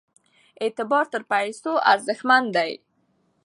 اعتبار تر پیسو ارزښتمن دی.